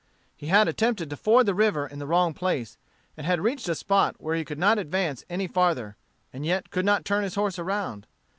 He had attempted to ford the river in the wrong place, and had reached a spot where he could not advance any farther, and yet could not turn his horse round.